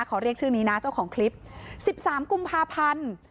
ขอเรียกชื่อนี้นะเจ้าของคลิป๑๓กุมภาพันธ์